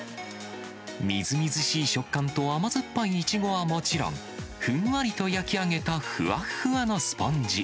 みずみずしい食感と甘酸っぱいいちごはもちろん、ふんわりと焼き上げたふわふわのスポンジ。